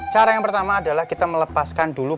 cara yang pertama adalah kita melepaskan dulu